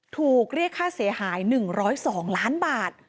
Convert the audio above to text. ถูกเรียกค่าเสียหาย๑๐๒ล้านบาท